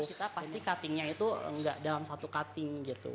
kita pasti cuttingnya itu nggak dalam satu cutting gitu